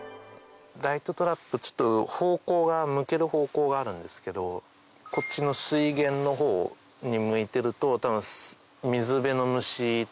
ライトトラップちょっと向ける方向があるんですけどこっちの水源の方を向いてると多分。